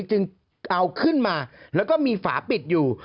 จึงเอาขึ้นมาแล้วก็มีฝาปิดอยู่